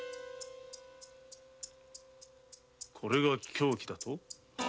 これが凶器だと？